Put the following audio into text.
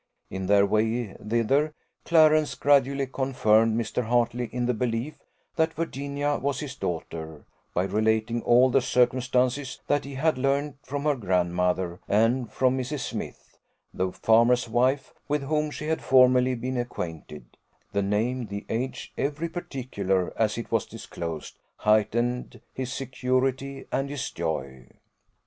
In their way thither Clarence gradually confirmed Mr. Hartley in the belief that Virginia was his daughter, by relating all the circumstances that he had learned from her grandmother, and from Mrs. Smith, the farmer's wife, with whom she had formerly been acquainted: the name, the age, every particular, as it was disclosed, heightened his security and his joy.